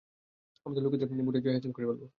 আমাদের লোকেদের ভোটেই জয় হাসিল করে ফেলবো।